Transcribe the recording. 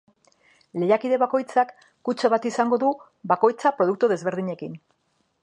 Lehiakide bakoitzak kutxa bat izango du, bakoitza produktu desberdinekin.